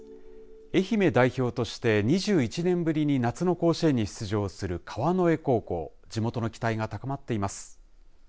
愛媛代表として２１年ぶりに夏の甲子園に出場する川之江高校地元の期待が高まっています。